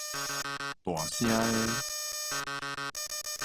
大聲的